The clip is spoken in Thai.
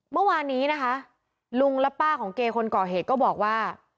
เมื่อวานนี้นะคะลุงและป้าของเกย์คนก่อเหตุก็บอกว่า